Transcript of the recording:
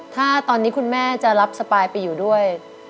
ถ้าตอนนี้คุณแม่จะรับสปายไปอยู่ด้วย